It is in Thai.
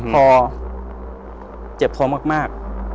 พอเจ็บคอมาก